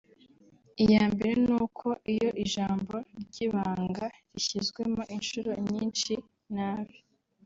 Iya mbere ni uko iyo ijambo ry’ibanga rishyizwemo inshuro nyinshi nabi